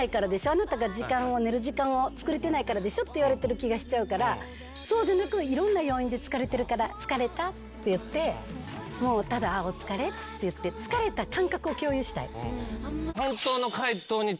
「あなたが寝る時間をつくれてないからでしょ」って言われてる気がしちゃうからそうじゃなくいろんな要因で疲れてるから「疲れた」って言ってただ「あぁお疲れ」って言って疲れた感覚を共有したい。